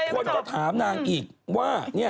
ควรเขาถามนางอีกว่าเนี่ย